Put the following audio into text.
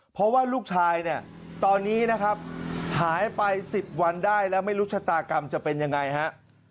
เพราะว่าลูกชายเนี่ยตอนนี้นะครับหายไป๑๐วันได้แล้วไม่รู้ชะตากรรมจะเป็นยังไงฮะ